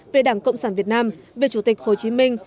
về đảng cộng sản việt nam về chủ tịch hồ chí minh